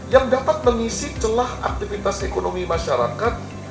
yang dapat mengisi celah aktivitas ekonomi masyarakat